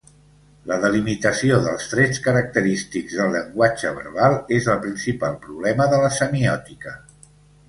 La delimitació dels trets característics del llenguatge verbal és el principal problema de la semiòtica.